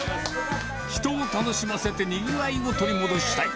人を楽しませてにぎわいを取り戻したい。